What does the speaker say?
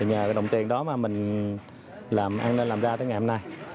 nhờ đồng tiền đó mà mình làm ra tới ngày hôm nay